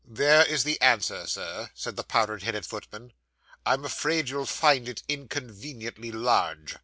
'There is the answer, sir,' said the powdered headed footman. 'I'm afraid you'll find it inconveniently large.